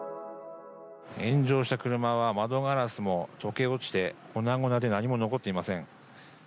炎上した車は窓ガラスも溶け落ちて粉々で何も残っていません。